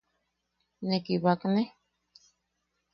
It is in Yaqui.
¿Ne kibakne?